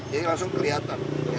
jadi langsung kelihatan